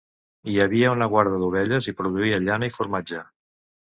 Hi havia una guarda d’ovelles i produïa llana i formatge.